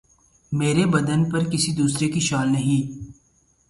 مرے بدن پہ کسی دوسرے کی شال نہیں